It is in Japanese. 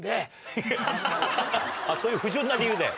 あっそういう不純な理由で。